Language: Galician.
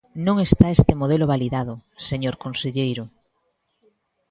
Non está este modelo validado, señor conselleiro.